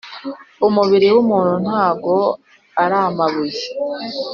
Umubiri wumuntu ntago aramabuye.